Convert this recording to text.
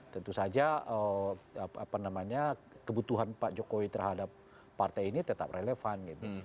tentu saja kebutuhan pak jokowi terhadap partai ini tetap relevan gitu